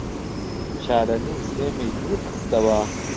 چارەنووس ئێمەی دوورخستەوە